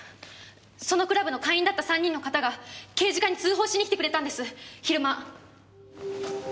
そのクラブの会員だった３人の方が刑事課に通報しに来てくれたんです昼間。